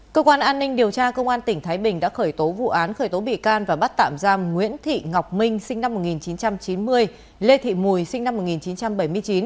cơ quan an ninh điều tra công an tỉnh thái bình đã khởi tố vụ án khởi tố bị can và bắt tạm giam nguyễn thị ngọc minh sinh năm một nghìn chín trăm chín mươi lê thị mùi sinh năm một nghìn chín trăm bảy mươi chín